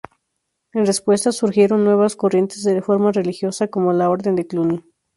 En respuesta, surgieron nuevas corrientes de reforma religiosa como la orden de Cluny.